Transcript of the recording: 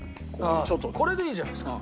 ああこれでいいじゃないですか。